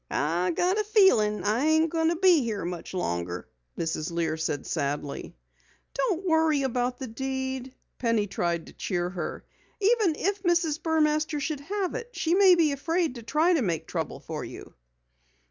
"I got a feeling I ain't goin' to be here much longer," Mrs. Lear said sadly. "Don't worry about the deed," Penny tried to cheer her. "Even if Mrs. Burmaster should have it, she may be afraid to try to make trouble for you."